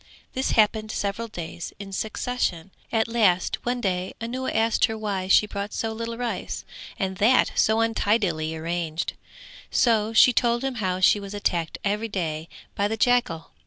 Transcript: This happened several days in succession; at last one day Anuwa asked her why she brought so little rice and that so untidily arranged; so she told him how she was attacked every day by the jackal.